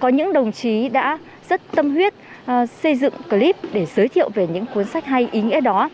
có những đồng chí đã rất tâm huyết xây dựng clip để giới thiệu về những cuốn sách hay ý nghĩa đó